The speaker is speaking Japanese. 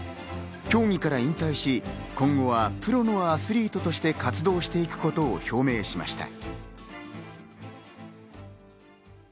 競技から引退し、今後はプロのアスリートとして活動していくことを表明しました。